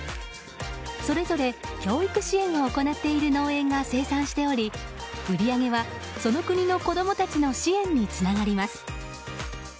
それぞれ教育支援を行っている農園が生産しており売り上げは、その国の子供たちの支援につながります。